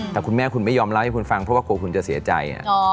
แต่คุณแม่คุณไม่ยอมเล่าให้คุณฟังเพราะว่ากลัวคุณจะเสียใจ